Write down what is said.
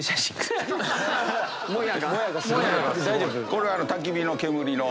これたき火の煙の。